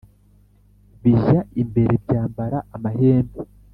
Bijya imbere byambara amahembe